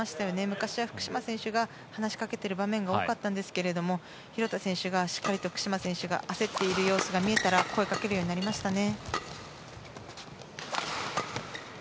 昔は福島選手が話しかけている場面が多かったんですけれども廣田選手がしっかり福島選手が焦っている様子が見えたら声をかけるようになりましたね。